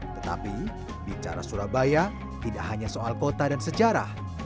tetapi bicara surabaya tidak hanya soal kota dan sejarah